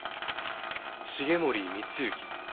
「繁森光之」